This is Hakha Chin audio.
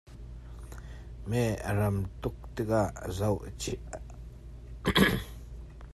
Meh a ram tuk tikah a zoh a chia.